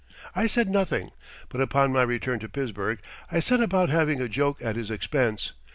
I said nothing, but upon my return to Pittsburgh I set about having a joke at his expense.